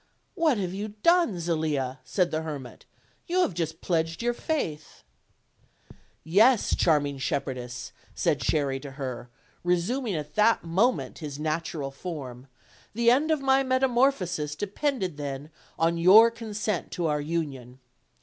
"What have you done, Zelia?" said the hermit; "you have just pledged your faith." "Yes, charming shepherdess," said Cherry to her, re suming at that moment his natural form; "the end of my metamorphosis depended then on your consent to our union.